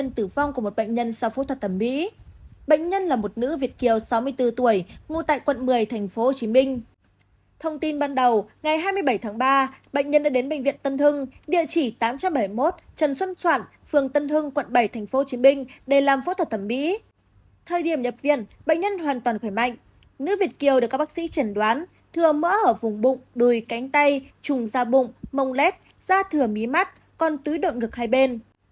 nữ việt kiều được các bác sĩ trần đoán thừa mỡ ở vùng bụng đùi cánh tay trùng da bụng mông lét da thừa mí mắt còn tưới độn ngực hai bên